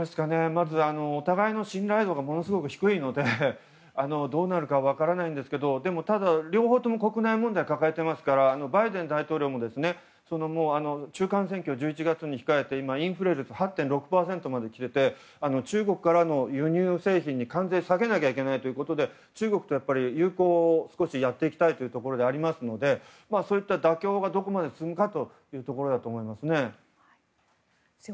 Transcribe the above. まず、お互いの信頼度がものすごく低いのでどうなるか分からないんですがただ、両方とも国内問題抱えていますからバイデン大統領も中間選挙を１１月に控えてインフレ率８．６％まできていて中国からの輸入製品に関税下げなきゃいけないということで中国と友好を少しやっていきたいというところではありますので妥協がどこまでできるかというところだと思います。